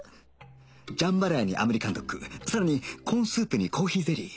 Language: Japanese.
ジャンバラヤにアメリカンドッグさらにコーンスープにコーヒーゼリー